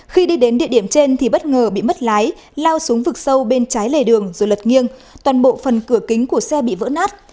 khi đi đến địa điểm trên thì bất ngờ bị mất lái lao xuống vực sâu bên trái lề đường rồi lật nghiêng toàn bộ phần cửa kính của xe bị vỡ nát